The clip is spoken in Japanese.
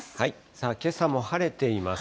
さあ、けさも晴れています。